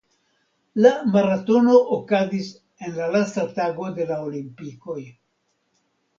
La maratono okazis en la lasta tago de la Olimpikoj.